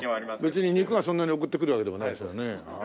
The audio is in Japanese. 別に肉はそんなに送ってくるわけではないですよね。